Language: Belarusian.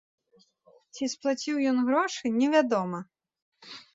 Ці сплаціў ён грошы, невядома.